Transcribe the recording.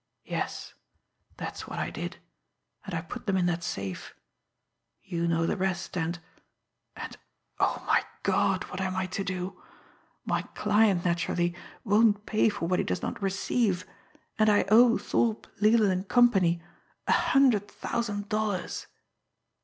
"Yes; that's what I did. And I put them in that safe. You know the rest, and and, oh, my God, what am I to do! My client, naturally, won't pay for what he does not receive, and I owe Thorpe, LeLand and Company a hundred thousand dollars."